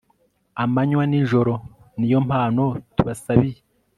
amanywa n' ijoro ni yo mpano tubasabiye